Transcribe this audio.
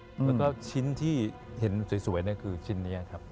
แล้วก็ชิ้นที่เห็นสวยคือชิ้นนี้ครับ